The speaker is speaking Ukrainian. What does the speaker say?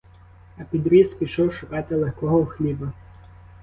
А підріс, пішов шукати легкого хліба.